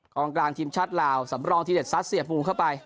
กลางทีมชาติลาวสำรองทีเด็ดซัดเสียบูเข้าไป